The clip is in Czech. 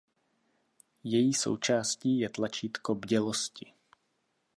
Její součástí je tlačítko bdělosti.